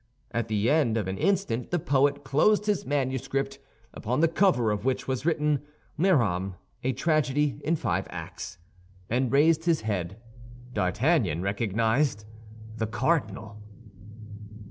At the end of an instant the poet closed his manuscript, upon the cover of which was written "Mirame, a Tragedy in Five Acts," and raised his head. D'Artagnan recognized the cardinal.